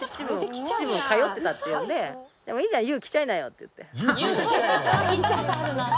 秩父に通ってたっていうんでいいじゃんＹｏｕ来ちゃいなよっていって。